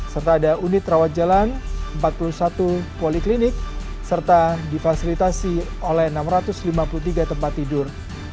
serta ada unit rawat jalan empat puluh satu poliklinik serta difasilitasi oleh enam ratus lima puluh tiga tempat tidur